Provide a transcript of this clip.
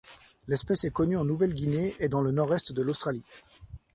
L'espèce est connue en Nouvelle-Guinée et dans le nord-est de l'Australie.